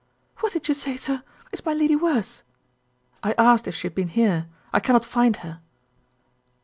"What did you say, sir? Is my lady worse?" "I asked if she had been here. I cannot find her."